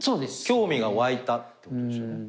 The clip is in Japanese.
興味が湧いたってことですよね。